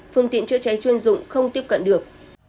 phương tiện chữa cháy chuyên dụng không tiếp cận được